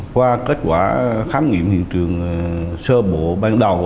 qua kết quả khám nghiệm hiện trường sơ bộ ban đầu